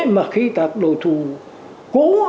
mà khi các đối thủ cố